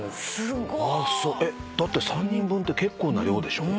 だって３人分って結構な量でしょ。